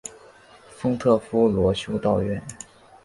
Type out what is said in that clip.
丰特夫罗修道院。